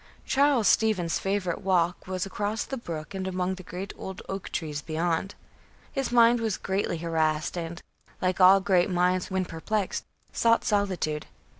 Charles Stevens' favorite walk was across the brook and among the great old oak trees beyond. His mind was greatly harassed and, like all great minds when perplexed, sought solitude.